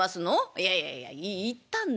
「いやいやいや行ったんだよ。